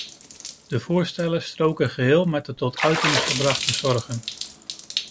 De voorstellen stroken geheel met de tot uiting gebrachte zorgen.